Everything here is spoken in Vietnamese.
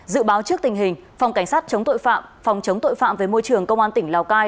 dự báo trước tình hình phòng cảnh sát chống tội phạm phòng chống tội phạm về môi trường công an tỉnh lào cai